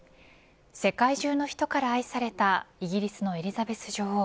世界中の人から愛されたイギリスのエリザベス女王。